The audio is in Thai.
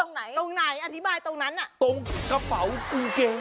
ตรงนั้นคือตรงไหนอธิบายตรงนั้นอ่ะตรงกระเป๋ากุ้งเกง